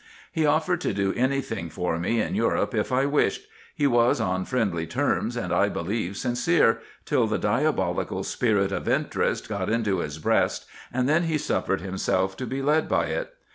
He offered to do any tiling for me in Europe if I wished ; he was on friendly terms, and I believe sincere, till the diabolical spirit of interest got into his breast, and then he suffered himself to be led by it.